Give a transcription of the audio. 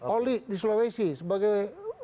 oli di sulawesi sebagai